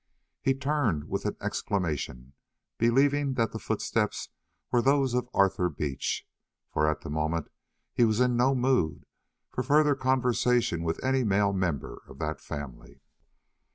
He turned with an exclamation, believing that the footsteps were those of Arthur Beach, for at the moment he was in no mood for further conversation with any male member of that family.